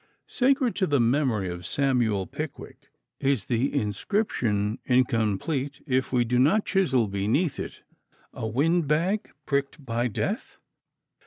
Sacred to the memory of Samuel Pickwick. Is the inscription incomplete if we do not chisel beneath it, "A wind bag pricked by Death"?